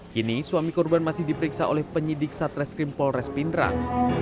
kini suami korban masih diperiksa oleh penyidik satreskrim polres pindrang